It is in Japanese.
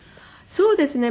そうですね。